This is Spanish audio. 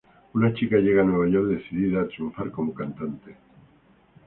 Una chica llega a Nueva York decidida a triunfar como cantante.